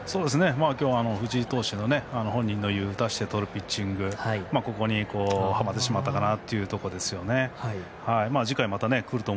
今日は藤井投手が本人が言う打たせてとるピッチング、ここにハマってしまったかなという感じです。